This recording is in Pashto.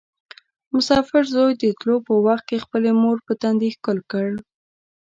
مسافر زوی د تلو په وخت کې خپلې مور په تندي ښکل کړ.